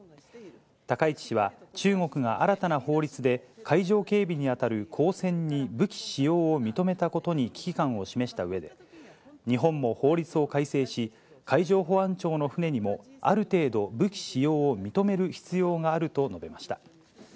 高市氏は、中国が新たな法律で海上警備に当たる公船に武器使用を認めたことに危機感を示したうえで、日本も法律を改正し、海上保安庁の船にも、ある程度武器使用を認める必要があると述べました。